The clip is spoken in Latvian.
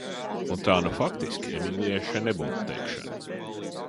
Un tā nu faktiski Emīlijai še nebūtu teikšana.